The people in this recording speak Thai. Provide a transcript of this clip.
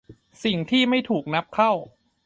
สิ่งที่ไม่ถูกนับเข้า